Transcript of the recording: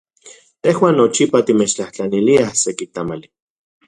Tejuan nochipa timechtlajtlaniliaj seki tamali.